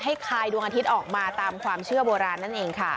คลายดวงอาทิตย์ออกมาตามความเชื่อโบราณนั่นเองค่ะ